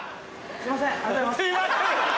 「すいません」！